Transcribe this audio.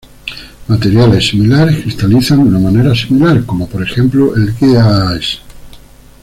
Materiales similares cristalizan de una materia similar, como por ejemplo el GaAs.